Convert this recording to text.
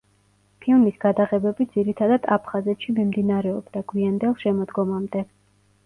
ფილმის გადაღებები ძირითადად აფხაზეთში მიმდინარეობდა, გვიანდელ შემოდგომამდე.